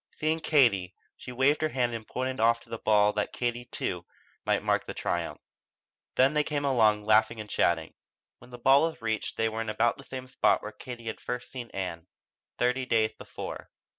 Seeing Katie, she waved her hand and pointed off to her ball that Katie, too, might mark the triumph. Then they came along, laughing and chatting. When the ball was reached they were in about the spot where Katie had first seen Ann, thirty days before.